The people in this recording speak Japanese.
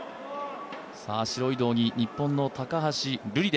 白い道着、日本の高橋瑠璃。